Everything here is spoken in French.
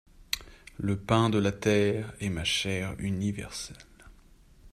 Le pain de la terre est ma chair universelle.